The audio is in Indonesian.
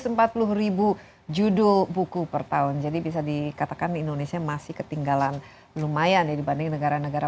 masyarakat indonesia setelah informasi